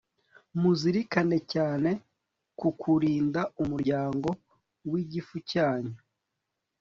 muzirikane cyane ku kurinda umuryango wigifu cyanyu